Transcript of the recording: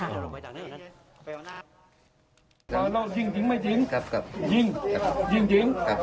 เรายิงจริงไม่จริงครับครับยิงครับยิงจริงครับ